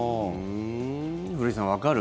古市さん、わかる？